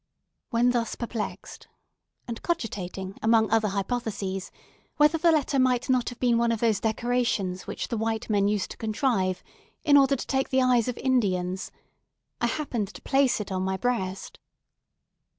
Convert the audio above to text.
When thus perplexed—and cogitating, among other hypotheses, whether the letter might not have been one of those decorations which the white men used to contrive in order to take the eyes of Indians—I happened to place it on my breast.